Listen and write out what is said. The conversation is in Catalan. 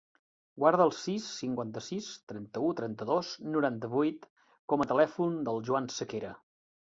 Guarda el sis, cinquanta-sis, trenta-u, trenta-dos, noranta-vuit com a telèfon del Juan Sequera.